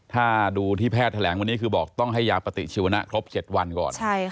ถ้าดูที่แพทย์แถลงวันนี้คือบอกต้องให้ยาปฏิชีวนะครบ๗วันก่อน